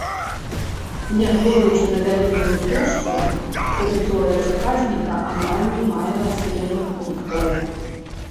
Негледзячы на вялізную плошчу, тэрыторыя заказніка амаль не мае населеных пунктаў.